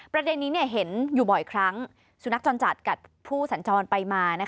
ประเด็นนี้เห็นอยู่บ่อยครั้งสุนัขจรจัดกัดผู้สัญจรไปมา